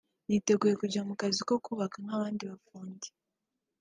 niteguye kujya mu kazi ko kubaka nk’abandi bafundi